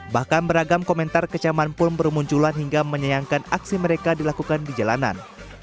bahkan beragam komentar kecaman pun bermunculan hingga menyayangkan aksi mereka dilakukan di jalanan